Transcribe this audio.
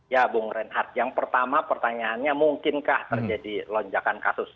ya bung reinhardt yang pertama pertanyaannya mungkinkah terjadi lonjakan kasus